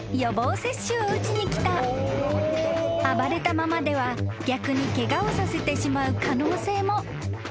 ［暴れたままでは逆にケガをさせてしまう可能性も］